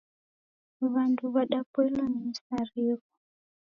W'andu w'adapoilwa ni misarigho.